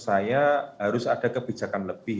saya harus ada kebijakan lebih